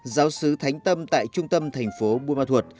giáo sứ thánh tâm tại trung tâm thành phố buôn ma thuột